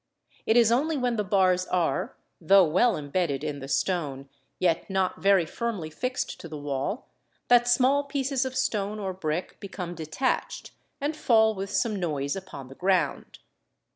It is only when the bars are, though well embedded in the stone, yet not very firmly fixed to the wall, that small pieces of stone or brick become detached and fall with some noise upon the ground.